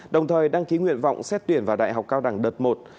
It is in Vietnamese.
đồng thời đăng ký nguyện vọng xét tuyển vào đại học cao đẳng đợt một